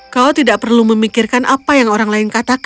kau tidak perlu memikirkan apa yang orang lain katakan